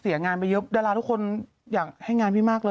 งานไปเยอะดาราทุกคนอยากให้งานพี่มากเลย